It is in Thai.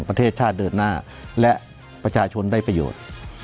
ประเทศชาติเดินหน้าและประชาชนได้ประโยชน์